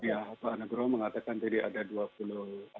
ya pak negerho mengatakan tadi ada dua puluh maaf ada tiga puluh dua ya